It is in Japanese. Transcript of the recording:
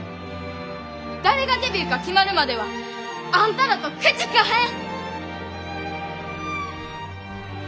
誰がデビューか決まるまではあんたらと口利かへん！